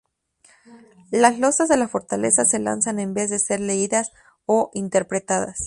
Las Losas de la Fortaleza se lanzan en vez de ser leídas o interpretadas.